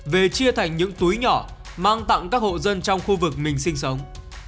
về chia thành những túi nhỏ mang tặng các hộ dân trong khu vực mình sinh sống